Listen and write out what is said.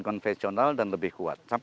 konvensional dan lebih kuat